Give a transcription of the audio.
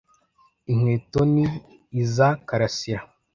Inkweto ni izoa Karasira.